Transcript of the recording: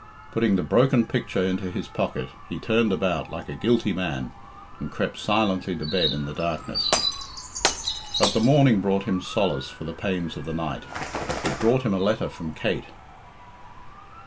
Putting the broken picture into his pocket, he turned about like a guilty man and crept silently to bed in the darkness. But the morning brought him solace for the pains of the night it brought him a letter from Kate.